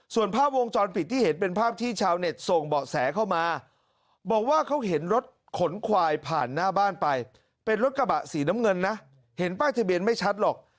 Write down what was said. ส่วนภาพวงจรปิดที่เห็นเป็นภาพที่ชาวเน็ตส่งเบาะแสเข้ามาบอกว่าเขาเห็นรถขนควายผ่านหน้าบ้านไปเป็นรถกระบะสีน้ำเงินนะเห็นป้ายทะเบียนไม่ชัดหรอก